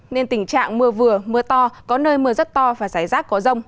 nên tình trạng mưa vừa mưa to có nơi mưa rất to và rải rác có rông